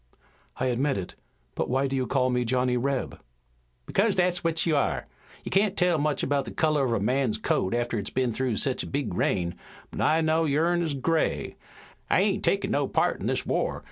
"I admit it. But why do you call me Johnny Reb?" "Because that's what you are. You can't tell much about the color of a man's coat after it's been through sech a big rain, but I know yourn is gray. I ain't takin' no part in this war.